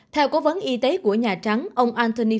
theo cố vấn y tế của nhà trắng